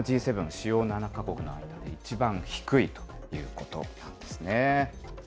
主要７か国の中で一番低いということなんですね。